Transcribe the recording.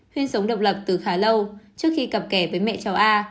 huyên sống độc lập từ khá lâu trước khi cặp kẻ với mẹ cháu a